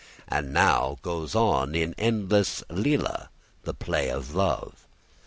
And now goes on the endless līlā, the play of love.